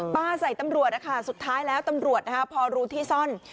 ปลาใส่ตำรวจนะคะสุดท้ายแล้วตำรวจนะคะพอรู้ที่ซ่อน